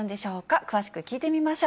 詳しく聞いてみましょう。